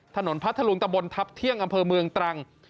พัทธรุงตะบนทัพเที่ยงอำเภอเมืองตรัง